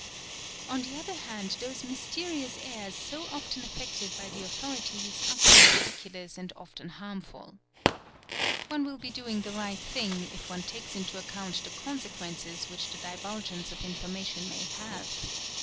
On the other hand those mysterious airs so often affected by the — authorities are quite ridiculous and often harmful. One will be doing the right thing if one takes into account the consequences which the divulgence of information may have.